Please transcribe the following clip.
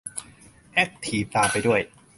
แอ็คทีฟตามไปด้วย